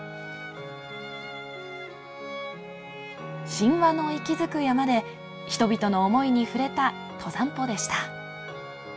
神話の息づく山で人々の思いに触れた登山歩でした。